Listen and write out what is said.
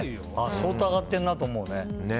相当上がってるなと思うね。